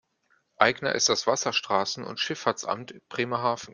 Eigner ist das Wasserstraßen- und Schifffahrtsamt Bremerhaven.